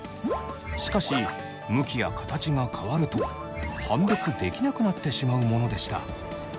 しかし向きや形が変わると判別できなくなってしまうものでした。